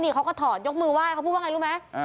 เขาก็ถอดยกมือไห้เขาพูดว่าไงรู้ไหม